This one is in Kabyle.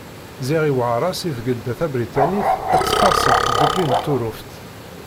Ziɣ yuɛer-as i Tgelda Tabriṭanit ad teffeɣ seg Tdukli n Tuṛuft.